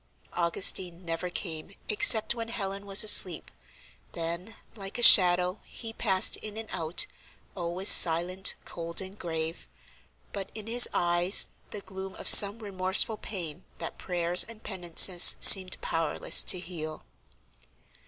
Augustine never came except when Helen was asleep: then, like a shadow, he passed in and out, always silent, cold, and grave, but in his eyes the gloom of some remorseful pain that prayers and penances seemed powerless to heal.